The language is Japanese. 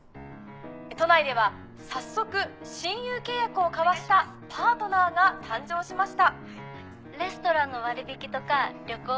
都内では早速親友契約を交わしたパートナーが誕生しました。